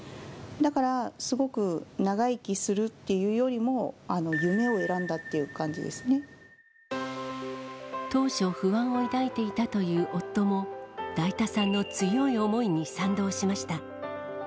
だから、すごく長生きするっていうよりも、当初、不安を抱いていたという夫も、だいたさんの強い思いに賛同しました。